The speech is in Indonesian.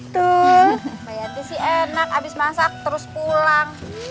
tuh mbak yati sih enak abis masak terus pulang